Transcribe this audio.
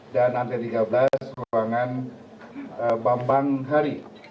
dan lantai tiga belas ruangan bambang hari